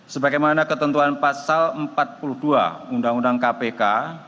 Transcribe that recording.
sebagaimana ketentuan pasal empat puluh dua undang undang kpk